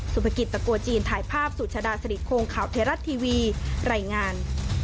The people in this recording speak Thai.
สุภกิจตะโกะจีนถ่ายภาพสุชฎาศรีโครงข่าวเทรัตน์ทีวีไหล่งาน